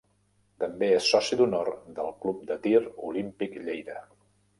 També és soci d'honor del Club de Tir Olímpic Lleida.